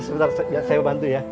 sebentar saya bantu ya